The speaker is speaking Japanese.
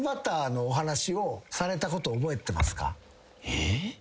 えっ？